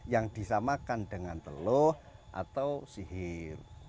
yang disamakan dengan teluh atau sihir